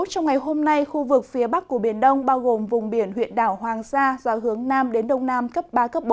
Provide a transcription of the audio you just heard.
trong ngày hôm nay khu vực phía bắc của biển đông bao gồm vùng biển huyện đảo hoàng sa do hướng nam đến đông nam cấp ba bốn